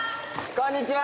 こんにちは！